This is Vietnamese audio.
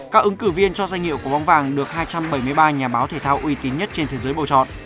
các ứng cử viên cho danh hiệu của bóng vàng được hai trăm bảy mươi ba nhà báo thể thao uy tín nhất trên thế giới bầu chọn